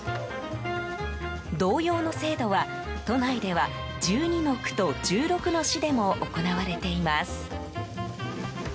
同様の制度は都内では１２の区と１６の市でも行われています。